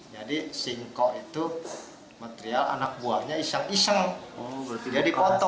jadi singkok itu material anak buahnya iseng iseng jadi foto